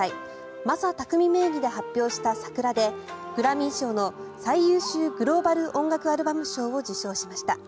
ＭａｓａＴａｋｕｍｉ名義で発表した「Ｓａｋｕｒａ」でグラミー賞の最優秀グローバル音楽アルバム賞を受賞しました。